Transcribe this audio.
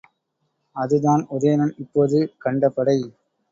அதுதான் உதயணன் இப்போது கண்டபடை.